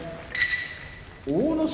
阿武咲